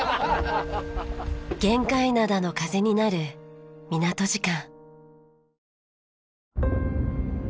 玄界灘の風になる港時間。